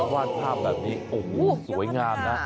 วาดภาพแบบนี้โอ้โหสวยงามนะ